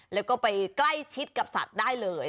แล้วก็ไปใกล้ชิดกับสัตว์ได้เลย